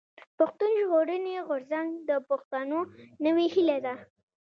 پښتون ژغورني غورځنګ د پښتنو نوې هيله ده.